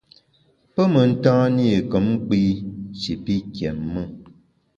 Pe mentan-i kom kpi shi pi kiém-e.